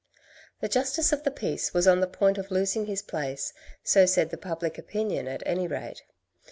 The Justice of the Peace was on the point of losing his place, so said the public opinion at any rate.